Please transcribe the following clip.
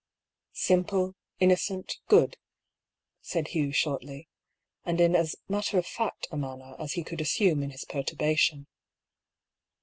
Simple, innocent, good," said Hugh, shortly, and 86 DR. PAULL*S THEORY. in as matter of fact a manner as he could assume in his perturbation.